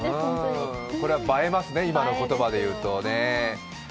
これは映えますね、今の言葉で言うと。